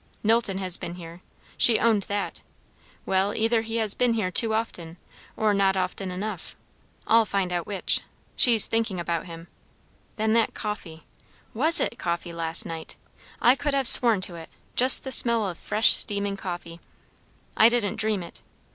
Knowlton has been here she owned that; well, either he has been here too often, or not often enough. I'll find out which. She's thinkin' about him. Then that coffee was it coffee, last night? I could have sworn to it; just the smell of fresh, steaming coffee. I didn't dream it.